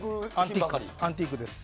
アンティークです。